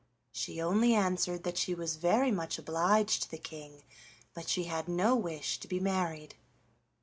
She only answered that she was very much obliged to the King, but she had no wish to be married.